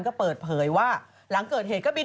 ก็เปิดเผยว่าหลังเกิดเหตุก็บิน